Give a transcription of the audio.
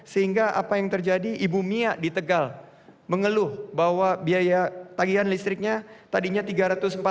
sehingga apa yang terjadi ibu mia di tegal mengeluh bahwa biaya tagihan listriknya tadinya rp tiga ratus empat puluh